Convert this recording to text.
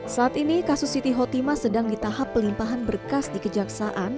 saat ini kasus siti khotimah sedang di tahap pelimpahan berkas di kejaksaan